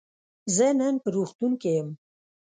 زه نن په روغتون کی یم.